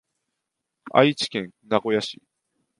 愛知県名古屋市